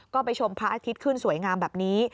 ก็ไปชมพระอาทิตย์ขึ้นสวยงามแบบนี้